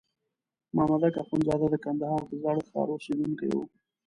مامدک اخندزاده د کندهار د زاړه ښار اوسېدونکی وو.